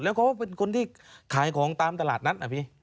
แล้วเขาเป็นคนที่ขายของตามตลาดนั้น